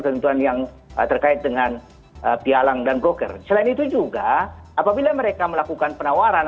ketentuan yang terkait dengan pialang dan broker selain itu juga apabila mereka melakukan penawaran